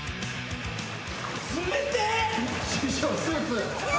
冷てえ！